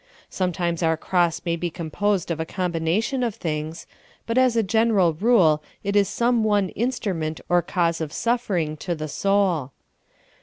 Sometimes our cross may be composed of a combination of things, but as a general rule, it is some one iUvStru ment or cause of suffering to the soul.